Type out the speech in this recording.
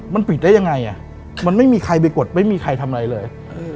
มันปิดได้ยังไงมันไม่มีใครไปกดไม่มีใครทำอะไรเลย